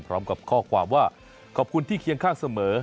พร้อมกับข้อความว่าขอบคุณที่เคียงข้างเสมอ